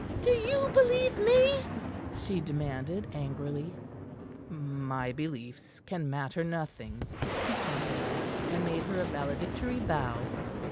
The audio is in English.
"Do you believe me?" she demanded angrily. "My beliefs can matter nothing," he compromised, and made her a valedictory bow.